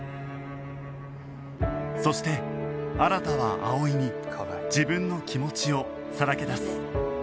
そして新は葵に自分の気持ちをさらけ出す